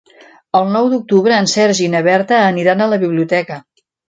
El nou d'octubre en Sergi i na Berta aniran a la biblioteca.